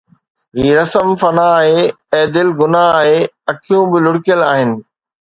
هي رسم فنا آهي، اي دل گناهه آهي، اکيون به لڙڪيل آهن